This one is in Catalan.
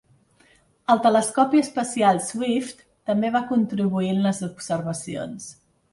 El telescopi espacial Swift també va contribuir en les observacions.